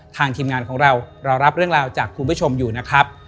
ทีมงานของเราเรารับเรื่องราวจากคุณผู้ชมอยู่นะครับ